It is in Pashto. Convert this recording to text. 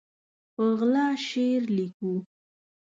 په غلا شعر لیکو